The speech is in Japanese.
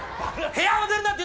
部屋を出るなって！